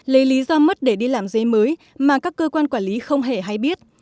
lấy lý do mất để đi làm giấy mới mà các cơ quan quản lý không hề hay biết